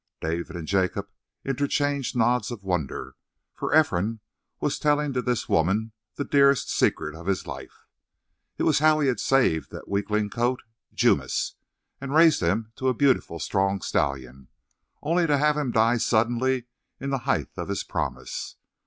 David and Jacob interchanged nods of wonder, for Ephraim was telling to this woman the dearest secret of his life. It was how he had saved the weakling colt, Jumis, and raised him to a beautiful, strong stallion, only to have him die suddenly in the height of his promise.